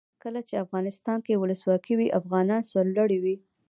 کله چې افغانستان کې ولسواکي وي افغانان سرلوړي وي.